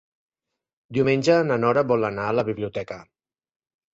Diumenge na Nora vol anar a la biblioteca.